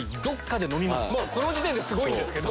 この時点ですごいんですけど。